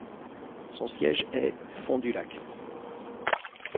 Son siège est Fond du Lac.